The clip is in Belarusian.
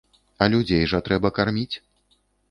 А людзей жа трэба карміць!